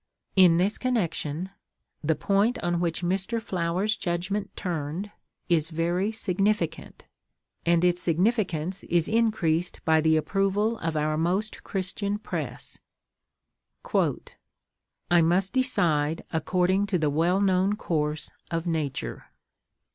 In this connection, the point on which Mr. Flower's judgment turned is very significant, and its significance is increased by the approval of our most Christian press: "_I must decide according to the well known course of nature.